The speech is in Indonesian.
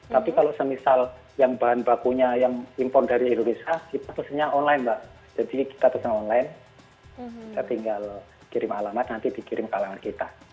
tapi kalau semisal yang bahan bakunya yang impor dari indonesia kita pesannya online mbak jadi kita pesan online kita tinggal kirim alamat nanti dikirim ke alaman kita